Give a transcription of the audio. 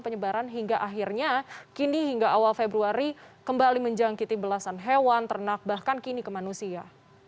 penyebaran hingga akhirnya kini hingga awal februari kembali menjangkiti belasan hewan ternak bahkan kini ke manusia